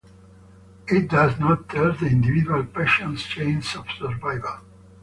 It does not tell the individual patient's chance of survival.